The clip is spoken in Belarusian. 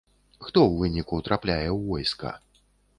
Хто ў выніку трапляе ў войска?